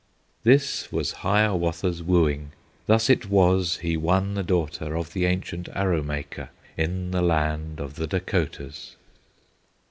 This was Hiawatha's wooing! Thus it was he won the daughter Of the ancient Arrow maker, In the land of the Dacotahs!